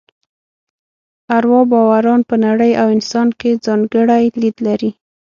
اروا باوران په نړۍ او انسان کې ځانګړی لید لري.